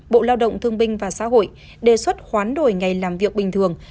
bộ lao động thương binh và xã hội đề xuất khoán đổi ngày làm việc bình thường